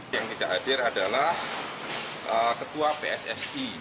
yang tidak hadir adalah ketua pssi